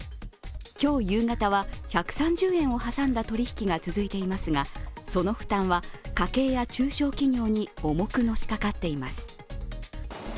今日夕方は１３０円台を挟んだ取引が続いていますがその負担は家計や中小企業に重くのしかかっています。